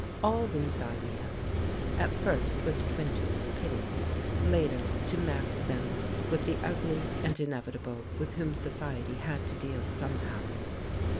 All these I beheld, at first with twinges of pity, later to mass them with the ugly and inevitable with whom society had to deal somehow.